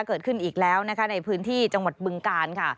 เกิดขึ้นอีกแล้วนะคะในพื้นที่จังหวัดบึงกาลค่ะ